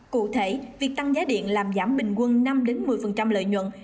cụ thể việc tăng giá điện làm giảm bình quân năm một mươi lợi nhuận